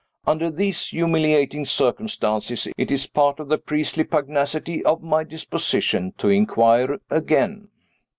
Under these humiliating circumstances, it is part of the priestly pugnacity of my disposition to inquire again.